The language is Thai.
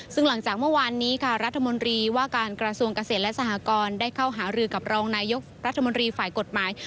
ซึ่งหลังจากเมื่อวานนี้ค่ะรัฐมนตรีว่าการกระทรวงเกษตรและสหกรได้เข้าหารือกับรองนายกรัฐมนตรีฝ่ายกฎหมาย